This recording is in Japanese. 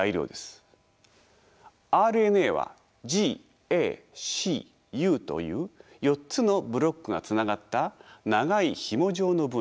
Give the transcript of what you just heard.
ＲＮＡはＧＡＣＵという４つのブロックがつながった長いひも状の分子です。